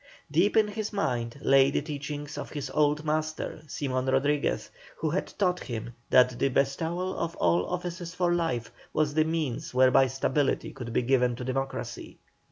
Deep in his mind lay the teachings of his old master, Simon Rodriguez, who had taught him that the bestowal of all offices for life was the means whereby stability could be given to democracy.